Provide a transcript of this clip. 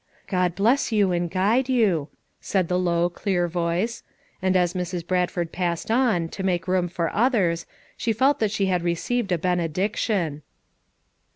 "God bless you and guide you," said the low, clear voice; and as Mrs. Bradford passed on, to make room for others, she felt that she had received a benediction.